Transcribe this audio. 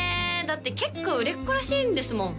だって結構売れっ子らしいんですもん